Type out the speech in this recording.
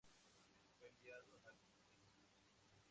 Fue enviada al Excmo.